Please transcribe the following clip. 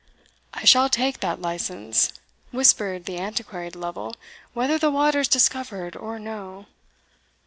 "I shall take that license," whispered the Antiquary to Lovel, "whether the water is discovered or no."